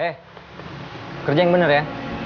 eh kerja yang benar ya